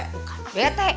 bukan aku bete